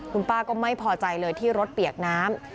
คุณป้าก็ไม่พอใจเลยที่รถเปียกน้ำ